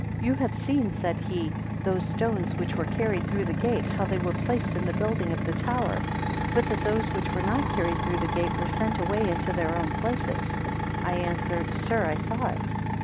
112 You have seen, said he, those stones which were carried through the gate, how they were placed in the building of the tower; but that those which were not carried through the gate, were sent away into their own places? 113 I answered, sir, I saw it.